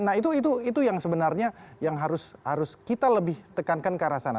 nah itu yang sebenarnya yang harus kita lebih tekankan ke arah sana